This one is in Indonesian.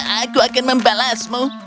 aku akan membalasmu